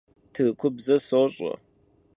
Tırkubze soş'e.